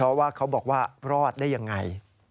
เพราะว่าเขาบอกว่ารอดได้ยังไง